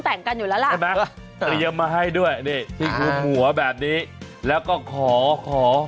แต่งไหมแต่งไหมพวกก่อน